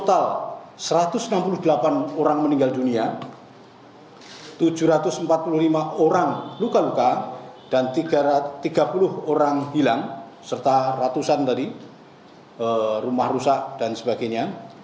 total satu ratus enam puluh delapan orang meninggal dunia tujuh ratus empat puluh lima orang luka luka dan tiga puluh orang hilang serta ratusan tadi rumah rusak dan sebagainya